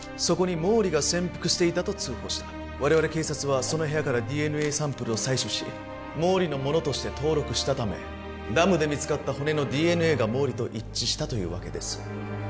そこに毛利が潜伏していたと通報した我々警察はその部屋からＤＮＡサンプルを採取し毛利のものとして登録したためダムで見つかった骨のＤＮＡが毛利と一致したというわけです